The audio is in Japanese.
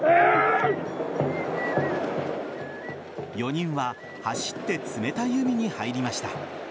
４人は走って冷たい海に入りました。